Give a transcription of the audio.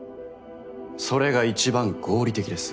それが一番合理的です。